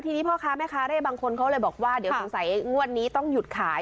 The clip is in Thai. ทีนี้พ่อค้าแม่ค้าเร่บางคนเขาเลยบอกว่าเดี๋ยวสงสัยงวดนี้ต้องหยุดขาย